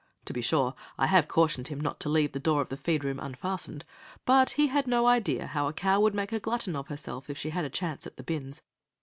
To be sure, I have cautioned him not to leave the door of the feed room unfastened. But he had no idea how a cow would make a glutton of herself if she had a chance at the bins.